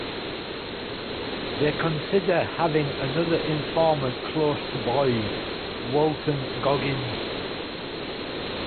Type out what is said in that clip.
They consider having another informant close to Boyd (Walton Goggins).